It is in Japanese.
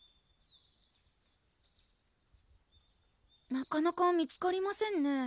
なかなか見つかりませんね